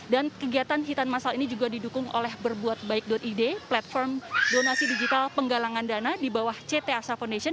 dan kegiatan hitanan masal ini juga didukung oleh berbuatbaik id platform donasi digital penggalangan dana di bawah cta asha foundation